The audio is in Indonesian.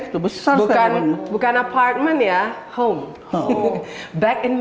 kembali ke miami pada tahun tujuh puluh